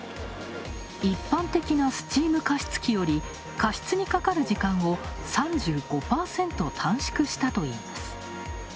一般的なスチーム加湿器より加湿にかかる時間を３５％短縮したといいます。